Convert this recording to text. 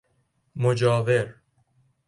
مجاور